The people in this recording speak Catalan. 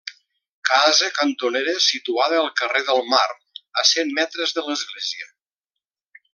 Casa cantonera situada al carrer del Mar, a cent metres de l'església.